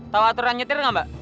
tau aturan nyetir gak mbak